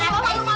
anak ini aneh